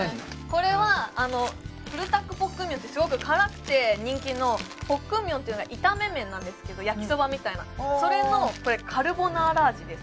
これはプルダックポックンミョンってすごく辛くて人気のポックンミョンっていうのは炒め麺なんですけど焼きそばみたいなそれのカルボナーラ味です